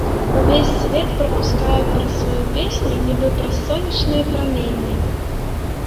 Увесь свет прапускаю праз сваю песню, нібы праз сонечныя праменні.